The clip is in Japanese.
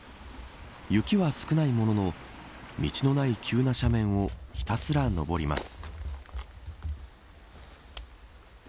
雪は少ないものの道のない急な斜面をひたすら登ります。